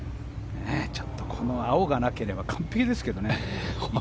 この青がなければ完璧ですけどね。